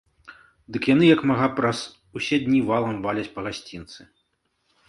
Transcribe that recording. Дык яны як мага праз усе дні валам валяць па гасцінцы.